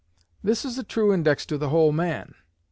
This is a true index to the whole man.